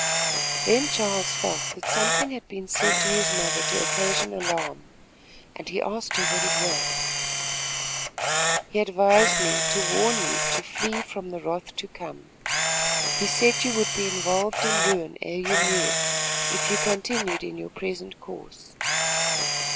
Then Charles felt that something had been said to his mother to occasion alarm, and he asked her what it was. "He advised me to warn you to flee from the wrath to come. He said you would be involved in ruin ere you knew it, if you continued in your present course."